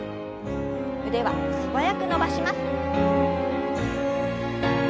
腕は素早く伸ばします。